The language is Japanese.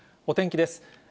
お天気です。